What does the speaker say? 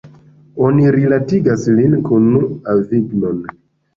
Oni rilatigas lin kun Avignon.